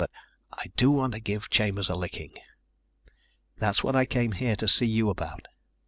But I do want to give Chambers a licking. That's what I came here to see you about."